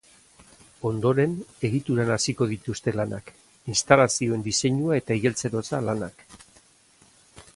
Ondoren egituran hasiko dituzte lanak, instalazioen diseinua eta igeltserotza lanak.